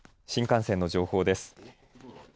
新幹線の情報です。